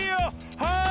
はい！